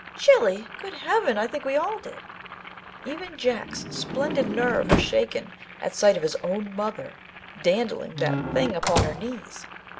Chilly! Good Heaven, I think we all did! Even Jack's splendid nerve was shaken at sight of his own mother dandling that Thing upon her knees.